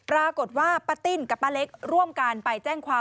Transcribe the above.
ปรากฏว่าป้าติ้นกับป้าเล็กร่วมกันไปแจ้งความ